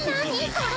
これ。